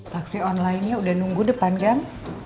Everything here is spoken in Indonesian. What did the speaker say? paksi online nya udah nunggu depan kan